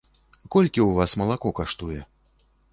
Колькі ў вас малако каштуе?